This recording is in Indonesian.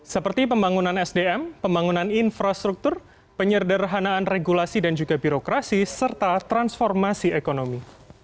seperti pembangunan sdm pembangunan infrastruktur penyerderhanaan regulasi dan juga birokrasi serta transformasi ekonomi